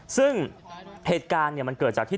ซึ่งเหตุการณ์มันเกิดจากที่